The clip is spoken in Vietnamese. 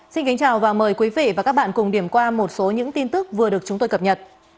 xin kính chào và mời quý vị và các bạn cùng điểm qua một số những tin tức vừa được chúng tôi cập nhật